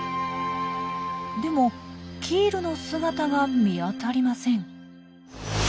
でもキールの姿が見当たりません。